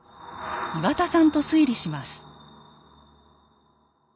岩田さんと推理します。